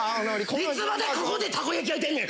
いつまでここでたこ焼き焼いてんねん！